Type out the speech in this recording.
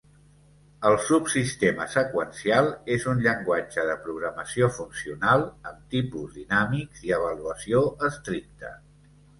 El subsistema seqüencial és un llenguatge de programació funcional amb tipus dinàmics i avaluació estricta.